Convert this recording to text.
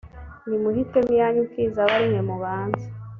nimuhitemo iyanyu mpfizi abe ari mwe mubanza